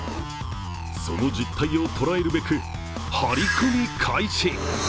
その実態を捉えるべくハリコミ開始。